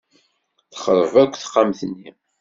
Texṛeb akk texxamt-nni.